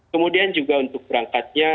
kemudian juga untuk perangkatnya